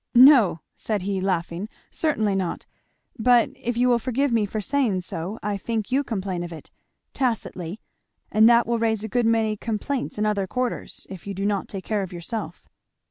"No," said he laughing, "certainly not; but if you will forgive me for saying so I think you complain of it, tacitly, and that will raise a good many complaints in other quarters if you do not take care of yourself."